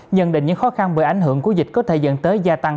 nhận định những khó khăn bởi ảnh hưởng của dịch có thể dẫn tới gia tăng